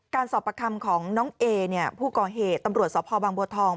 สอบประคำของน้องเอเนี่ยผู้ก่อเหตุตำรวจสพบางบัวทอง